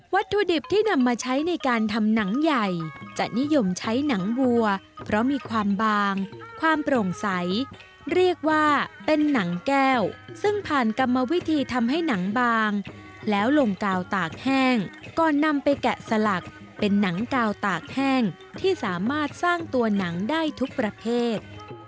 ถุดิบที่นำมาใช้ในการทำหนังใหญ่จะนิยมใช้หนังวัวเพราะมีความบางความโปร่งใสเรียกว่าเป็นหนังแก้วซึ่งผ่านกรรมวิธีทำให้หนังบางแล้วลงกาวตากแห้งก่อนนำไปแกะสลักเป็นหนังกาวตากแห้งที่สามารถสร้างตัวหนังได้ทุกประเภท